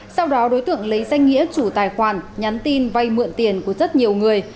sau đó đối tượng lấy danh nghĩa chủ tài khoản nhắn tin vay mượn tiền của rất nhiều người